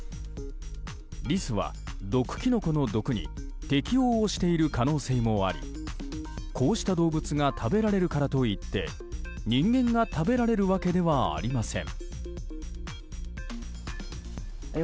リスは毒キノコの毒に適応している可能性もありこうした動物が食べられるからといって人間が食べられるわけではありません。